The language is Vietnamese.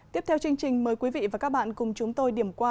tiếp theo chương trình mời quý vị và các bạn cùng chúng tôi điểm qua